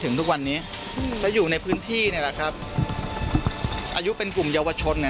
ถึงทุกวันนี้แต่อยู่ในพื้นที่ในแต่ละครับอายุเป็นกลุ่มเยาวชนเลย